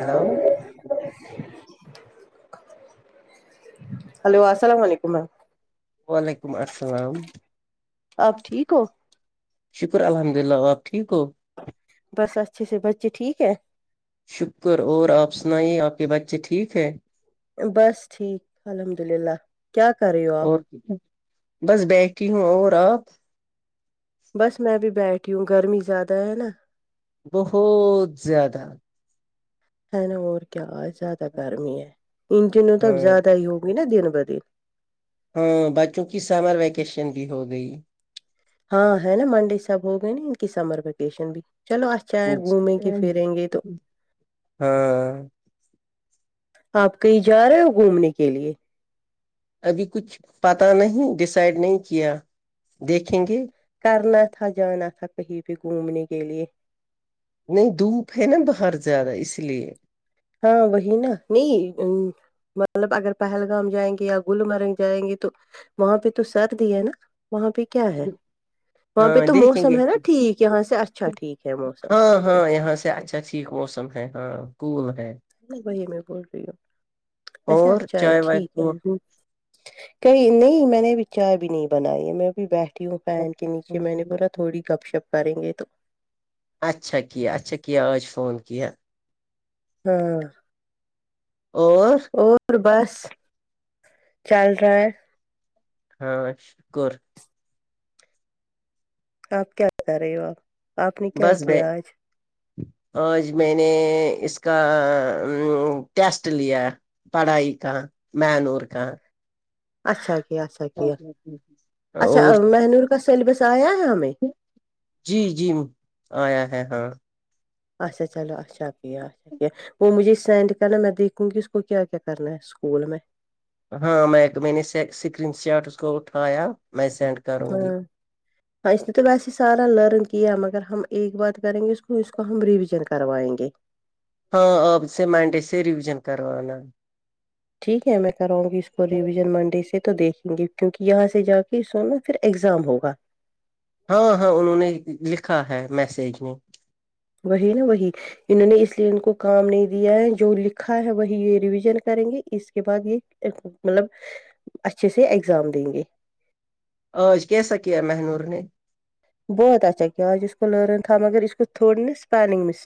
Hello hello وعلیکم السلام آپ ٹھیک ہو شکر الحمد للہ آپ ٹھیک ہو بس اچھے سے بچے ٹھیک ہے شکر اور آپ سنائیے آپ کے بچے ٹھیک ہے بس ٹھیک الحمد للہ کیا کر رہی ہو آپ بس بیٹھی ہوں اور آپ بس میں بھی بیٹھی ہوں گرمی زیادہ ہے نا بہت زیادہ ہے نا اور کیا آج زیادہ گرمی ہے ان دنوں تو اب ہاں زیادہ ہی ہوگی نا دن ب دن ہاں بچوں کی سمر ویکیشن بھی ہو گئی ہاں ہے نا منڈے سب ہو گئے نا ان کی سمر ویکیشن بھی چلو چاہے گھومیں گے پھریں گے تو ہاں آپ کہیں جا رہے ہو گھومنے کے لیے ابھی کچھ پتا نہیں ڈسائڈ نہیں کیا دیکھیں گے کرنا تھا جانا تھا کہیں بھی گھومنے کے لیے نہیں دھوپ ہے نا باہر زیادہ اس لیے ہاں وہی نا نہیں ا مطلب اگر پہلگام جائیں گے یا گلمرگ جائیں گے تو وہاں پہ تو سردی ہے نا وہاں پہ کیا ہے وہاں پہ ہاں تو دیکھیں گے موسم ہے نا ٹھیک یہاں سے اچھا ٹھیک ہے موسم ہاں وہاں پہ ہاں یہاں سے اچھا ٹھیک موسم ہے ہاں کول ہے وہی میں بول رہی ہوں ایسے اور اچھا ہے چائے وائے ٹھیک ہے فون کئی نہیں میں نے ابھی چائے بھی نہیں بنائی ہے میں بھی بیٹھی ہوں پین کے نیچے میں نے بولا تھوڑی گپ شپ کریں گے تو اچھا کیا اچھا کیا آج فون کیا ہاں اور اور بس چل رہا ہے ہاں شکور آپ کیا کر رہے ہو آپ آپ نے کیا بس بئی کیا آج آج میں نے اس کا ٹیسٹ لیا پڑھائی کا مہنور کا اچھا کیا اچھا کیا اچھا اور مہنور کا سلیبس آیا ہے ہمیں جی جی آیا ہے ہاں اچھا چلو اچھا کیا وہ مجھے سینڈ کرنا میں دیکھوں گی اس کو کیا کیا کرنا ہے اسکول میں ہاں میں میں نے اسکرین شاٹ اس کو اٹھایا میں سینڈ کروں گی ہاں ہاں اس نے تو ویسے ہی سارا لرن کیا مگر ہم ایک بات کریں گے اس کو اس کو ہم ریویژن کروائیں گے ہاں آب سے منڈے سے ریویژن کروانا ٹھیک ہے میں کراؤں گی اس کو ریویژن منڈے سے تو دیکھیں گے کیونکہ یہاں سے جا کے سو نا پھر ایگزام ہوگا ہاں ہاں انہوں نے لکھا ہے میسج میں وہی نا وہی انہوں نے اس لیے ان کو کام نہیں دیا ہے جو لکھا ہے وہی یہ ریوژن کریں گے اس کے بعد یہ مطلب اچھے سے اگزام دیں گے آج کیسا کیا مہنور نے بہت اچھا کیاج اس کو لئرن تھا مگر اسس کو تھوڑ نا اسپلنگ مس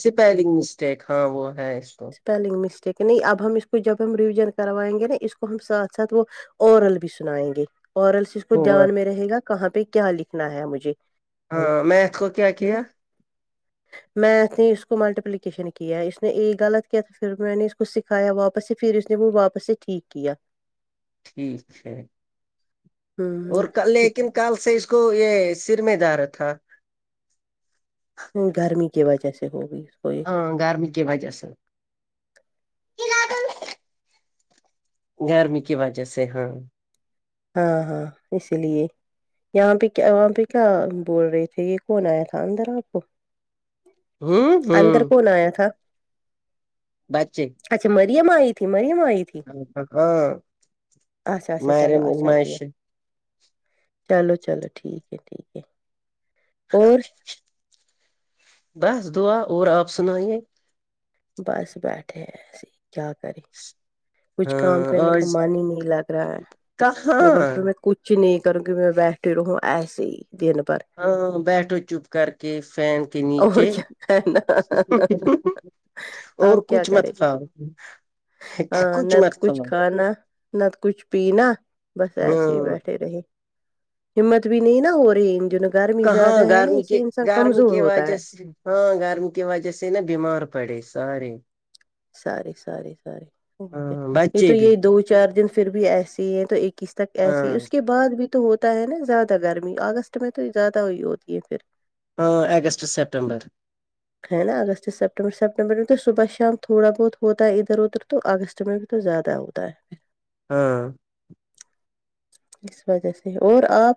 سپیلنگ مسٹیک ہاں وہ ہے اس کو اسپیلنگ مسٹیک نہیں اب ہم اس کو جب ہم ریویژن کروائیں گے نا اس کو ہم سھ ساتھ وہ اورل بھی سنائیں گے اورل سے اس کو ہو دھیان میں رہے گا کہاں پہ کیا لکھنا ہے مجھے ہاں میں اسکو کیا ہے نا۔ کیا میتھ نے اس کو ملٹیپلیکیشن کیا اس نے ایک غلط کیا تو پھر میں نے اس کو کو سیکھایا واپس سے پھر اس نے وہ واپس سے ٹھیک کیا ٹھیک ہے اور کل لیکن کل سے اس کو یہ سر میں درد تھا ہ گرمی کی وجہ سے ہوگی کوئی گرمی کی وجہ سے گرمی کی وجہ سے ہاں ہاں ہاں اس لیے یہاں پہ کیا وہاں پہ کیا بول رہے تھے یہ کون آیا تھا اندر آپ کو ہوں اندر ہوں کون آیا تھا بچچے اچھا مریم آی تھی مریم آی تھی ہاں اچھا اچھا مر چلو اچھا گمائے کیا [unintelligible] چلو چلو ٹھیک ہے ٹھیک ہے اور بس دعا اور آپ سنائیے بس بیٹھے ایسے ہی کیا کریں کچھ کام ہاں کرنے کا آج من ہی نہیں لگ رہا ہے میں کہاں بولا ہوں کچھ نہیں کروں کہ میں بیٹھے رہوں ایسے ہی دن پر ہاں بیٹھو چپ کر کے فین کے اور نیچے کیا ہے نا اور آپ کیا کچھ کریں مطلب ہاں نہ تو کچھ کھانا نہ تو کچھ پینا بس ایسے ہی ہاں بیٹھے رہے ہممت بھی نہیں نا ہو رہی [unintelligible] ان گرمی کہاں زیادہ ہے نا گرمی اس کے سے انسان گرمی کمزور کی ہوتا وجہ ہے سے ہاں گرمی کی وجہ سے نا بیمار پڑے سارے سارے ساری ساری ہاں یہ بچے تو بھی یہی دو چار دن پھر بھی ایسے ہی ہیں تو ایک ہی تک ہاں ایسی اس کے بعد بھی تو ہوتا ہے نا زیادہ گرمی اگست میں تو زیادہ ہوئی ہوتی ہے پھر ہاں اگست سپٹمبر ہے نا اگست سپٹمبر سپٹمبر میں تو صبح شام تھوڑا بہت ہوتا ہے ادھر ادھر تو اگست میں بھی تو زیادہ ہوتا ہے ہاں اس وجہ سے اور آپ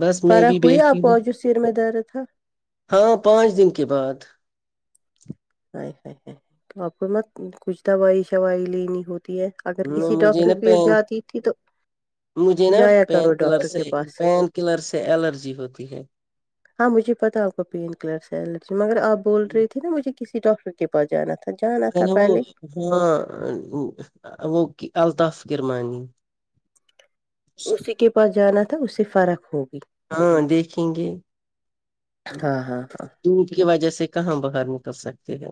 بس میں فرق بھی ہوئی بیٹھی آپ کو اور جو سر میں درد تھا ہاں پانچ دن کے بعد ہ ہ تو آپ کو نہ کچھ دوائی شائی لینی ہوتی ہے اگر کسی مجھے ڈاکٹر نا پیس پین جاتی تھی تو مجھے نا جایا پین کرو کلر ڈاکٹر سے کے پاس پین کلر سے الرجی ہوتی ہے ہاں مجھے پتا آپ کو پین کلر سے الرجی مگر آپ بول رہی تھی نا مجھے کسی ڈاکٹر کے پاس جانا تھا جانا تھا نا وہ پہلے ہاں وہ الطاف کررمانی اسی کے پاس جانا تھا اس سے فرق ہوگی ہاں دیکھیں گے ہاں ہاں ہاں دھوپ کی وجہ سے کہاں باہر نکل سکتے ہیں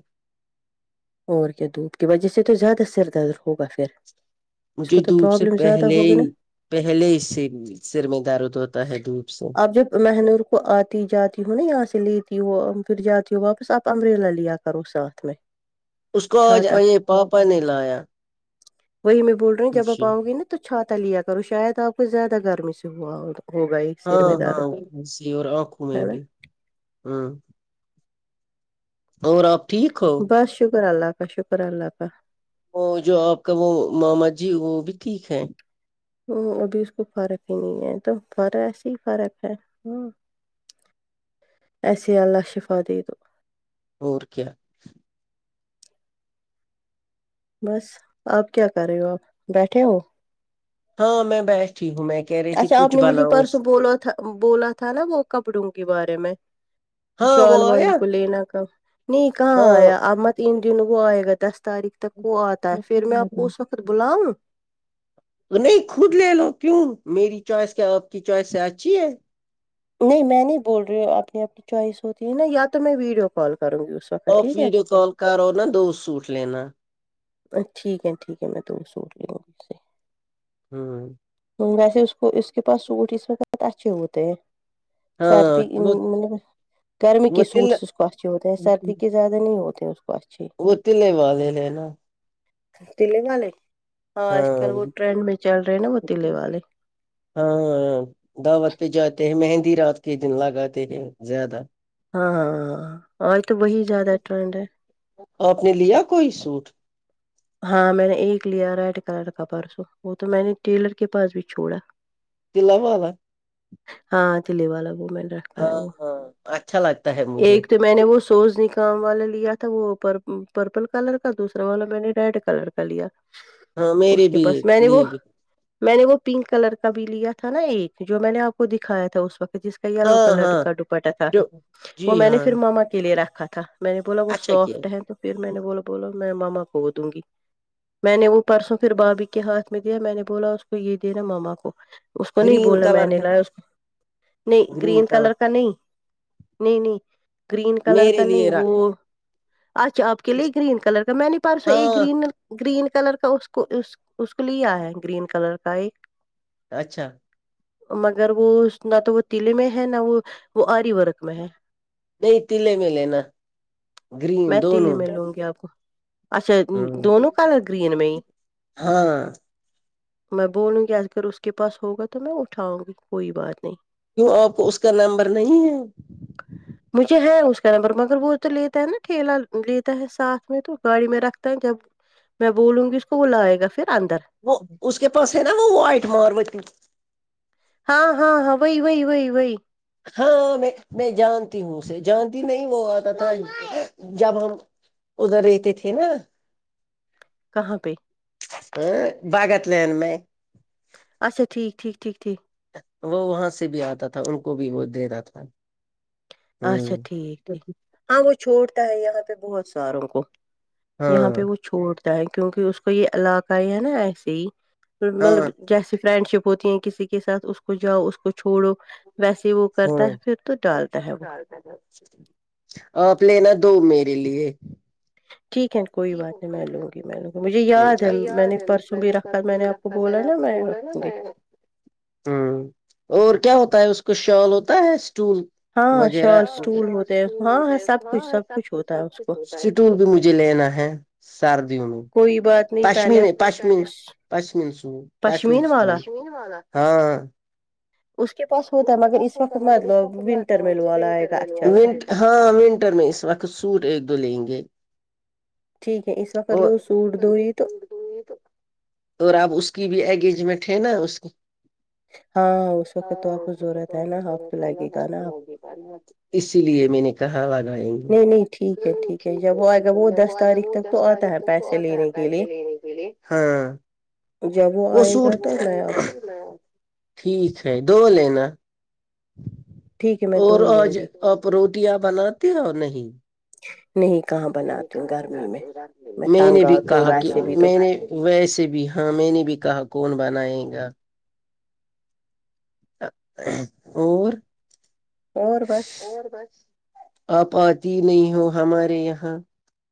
اور کیا دھوپ کی وجہ سے تو زیادہ سر درد ہوگا پھر اس مجھے کو تو دھوپ سے پرابلم زیادہ پہلے ہوگی نا پہلے اس سے سر میں دارد ہوتا ہے دھوپ سے آپ جب مہنور وہ آتی جاتی ہو نا یہاں سے لیتی ہو پھر جاتی ہو واپس آپ امبریلا لیا کرو ساتھ میں اس کو آج چھاتا اے پاپا نے لایا وہی میں بول رہی ہوں جب آپ آؤ گی نا تو چھاتا لیا کرو شاید آپ کو زیادہ گرمی سے ہوا ہوگا یہ سر ہاں میں درد ہاں اسی اور آنکھوں میں ہے نا بھی ہاں اور آپ ٹھیک ہو بس شکر اللہ کا شکر اللہ کا وہ جو آپ کا وہ ماما جی وہ بھی ٹھیک ہے ہ ابھی اس کو فرق ہی نہیں ہے تو فر ایسے ہی فرق ہے ہ ایسے اللہ شفا دے دو اور کیا بس آپ کیا کر رہے ہو آپ بیٹھے ہو ہاں میں بٹھی ہوں میں کہہ رہی تھی اچھا آپ کچھ نے مجھے بناؤ پرسوں بولا تھا بولا تھا نا وہ کپڑوں کے بارے میں ہاں وہ شال آیا والی کو لینا کا نہیں کہاں ہاں آیا اب مت ان دنوں وہ آئے گا دس تاریخ تک وہ آتا ہے پھر میں آپ کو اس وقت ک بلاؤ نہیں خود لے لو کیوں میری چوائس کیا آپ کی چوائس سے اچھی ہے نہیں میں نہیں بول رہی ہوں اپنی آپ کی چوائس ہوتی ہے نا یا تو میں ویڈیو کال کروں گی اس وقت آف ٹھیک ہے ویڈیو کال کرو نا دو سوٹ لینا ا ٹھیک ہے ٹھیک ہے میں تو سوٹ لوں گی سے ہوں ویسے اس کو اس کے پاس سوٹ اس وقت اچھے ہوتے ہیں ہاں سردی وہ مطلب گرمی وہ کے سوٹ تل سے اس کو اچھے ہوتے ہیں سردی کے زیادہ نہیں ہوتی اس کو اچھی وہ تلے والے لینا تلے والے ہاں آج کل وہ ٹرینڈ میں چل رہے ہیں نا وہ تلے والے ہاں دعوت پہ جاتے ہیں مہندی رات کے دن لگاتے ہیں زیادہ ہاں ہاں ہاں اور تو وہی زیادہ ٹرینڈ ہے اور اپپ نے لیا کوئی سوٹ ہاں میں نے ایک لیا ریڈ کلر کا پرسوں وہ تو میں نے ٹیلر کے پاس بھی چھوڑا تلے والا ہاں چے والا وہ میں نے رکھا ہے ہاں وہ ہاں اچھا لگتا ہے مجھے ایک تو میں نے وہ سوز نکام والا لیا تھا وہ پر پرپل کلر کا دوسرا والا میں نے ریڈ کلر کا لیا ہاں اس میرے کے بھی پاس میں نے وہ لیے بھی میں نے وہ پنک کلر کا بھی لیا تھا نا ایک جو میں نے آپ کو دکھایا تھا اس وقت جس یلو ہاں کلر ہاں کا ڈوپٹہ تھا جو جی وہ میں نے ہاں پھر ماما کے لیے رکھا تھا میں نے بولا وہ اچھا سافٹ ہے تو پھر میں نے بولا بولو میں ماما کو وہ دوں گی میں نے وہ پرسوں پھر بھابھی کے ہاتھ میں دیا میں نے بولا اس کو یہ دینا ماما کو اس کو نہیں گرین بولا میں کلر نے ہے لایا نہیں گرین کلر کا نہیں نہیں نہیں گرین کلر میرے کا نہیں لیے رکھ وہ آج آپ کے لیے گرین کلر کا میں نے پاس سے ایک ہاں گرین گرین کلر کا اس کو اس اس کو لیا ہے گرین کلر کا ایک اچھا مگر وہ نہ تو وہ تلے میں ہے نہ وہ وہ آری ورک میں ہے نہیں تلے میں لے نا گرین دونوں ہوں گے آپ کو اچھا دونوں کلر گرین میں ہی ہاں میں بولوں گی اگر اس کے پاس ہوگا تو میں اٹھاؤں گی کوئی بات نہیں کیوں آپ کو اس کا نمبر نہیں ہے مجھے ہے اس کا نمبر مگر وہ تو لیتا ہے نا ٹھیلا لیتا ہے ساتھ میں تو گاڑی میں رکھتا ہے جب میں بولوں گی اس کو وہ لائے گا پھر اندر وہ اس کے پاس ہے نا وہ وائٹ مارو ہاں ہاں ہاں وہی وہی وہی وہی ہاں میں میں جانتی ہوں اسے جانتی نہیں وہ آتا تھا جب ہم ادھر رہتے تھے نا کہاں پہ ہاں باغات لین میں اچھا ٹیھک ٹھیک ٹھیک ٹھیک وہ وہاں سے بھی آتا تھا ان کو بھی وہ دینا تھا اچھا ہوں ٹھیک ٹھیک ہاں وہ چھوڑتا ہے یہاں پہ بہت ساروں کو یہاں پہ ہاں وہ چھوڑتا ہے کیونکہ اس کو یہ علاقہ ہی ہے نا ایسے ہی ہاں مطلب جیسی فرینڈ شپ ہوتی ہیں کسی کے ساتھ اس کو جاؤ اس کو چھوڑو ویسے وہ کرتا ہاں ہے پھر تو ڈال آپ لینا دو میرے لیے ٹھیک ہے کوئی بات نہیں میں لوں گی میں لوں گی مجھے یاد ہے میں نے پرسوں بھی رکھا ہے میں نے آپ کو بولا نا میں رکھوں گی ہ اور کیا ہوتا ہے اس کو شال ہوتا ہے اسٹول ہاں وغیرہ شال اسٹول ہوتے ہیں ہاں ہاں کچھ سب کچھ ہوتا ہے اس کو کچ سٹول بھی مجھے لینا ہے [inaudible] سردیوں میں کوئی بات نہیں پہلے پشمین پشمین آپ پشمین سوٹ پشمین سوٹ پشمین والا ہاں اس کے پاس ہوتا اس ہے کے مگر پا [inaudible] س وقت ہوتا م مت لو ونٹر میں لو ف والا آئے ونٹر گا میں اچھا سا ہاں ونٹر میں اس وقت سوٹ ایک دو لیں گے ٹھیک ہے اس وقت اور لو سوٹ دوئی تو اور اب اس کی بھی انگیجمنٹ ہے نا اس کی ہاں اس وقت تو آپ کو ضرورت ہے نا ہف تو لگے گا نا آپ کو اسی لیے میں نے کہا لگائیں گے نہیں نہیں ٹھیک ہے ٹھیک ہے جب وہ آئے گا وہ دس تاریخ تک تو آ تو بہت ہے پیسے لینے کے لیے ہاں جب وہ آئے سوٹ گا تو میں آپ- ٹھیک ہے دو لینا ٹھیک ہے میں اور دو لوں آج گی آپ روٹیاں بناتی ہو نہیں نہیں کہام نہیں کہاں بناتے ہو رات میں، میں نے بھی آتی ہوں کہا کہ ویسے بھی تو میں نے ویسے بھی ہاں میں نے بھی کہا کون بنائے گا اور اور بس اور بس اپ آتی نہیں ہو ہمارے یہاں